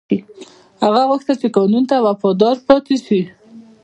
هغه غوښتل چې قانون ته وفادار پاتې شي.